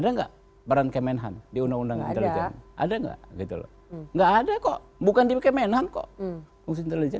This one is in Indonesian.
ada nggak peran kemenhan di undang undang intelijen ada nggak gitu loh enggak ada kok bukan di kemenhan kok fungsi intelijen